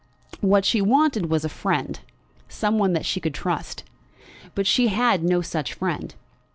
What she wanted was a friend; some one that she could trust. But she had no such friend.